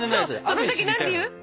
その時何て言う？